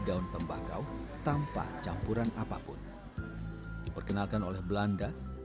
jembatan okei mukabara